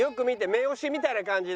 目押しみたいな感じで。